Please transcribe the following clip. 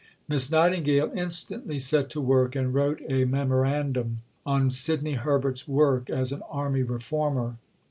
Miss Nightingale instantly set to work and wrote a Memorandum on Sidney Herbert's work as an Army Reformer.